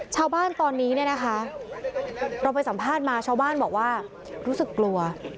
ชาวบ้านตอนนี้เนี่ยนะคะเราไปสัมภาษณ์มาชาวบ้านบอกว่ารู้สึกกลัว